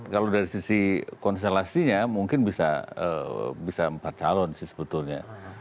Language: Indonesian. kalau dari sisi konstelasinya mungkin bisa empat calon sih sebetulnya